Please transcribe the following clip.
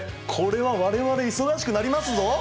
これは我々忙しくなりますぞ！